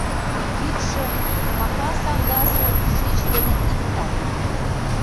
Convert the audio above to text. Йӱдшӧ комака саҥгасе шӱч дене иктак.